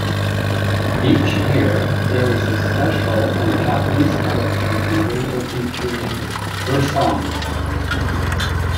Each year there is a special on Japanese television and radio featuring her songs.